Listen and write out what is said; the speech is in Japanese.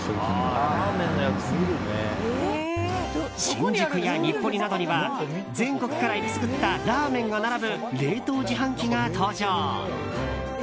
新宿や日暮里などには全国からえりすぐったラーメンが並ぶ冷凍自販機が登場。